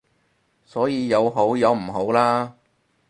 所以有好有唔好啦